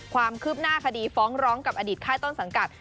ความคืบหน้าคดีฟ้องร้องกับอดีตค่ายต้นสังกัด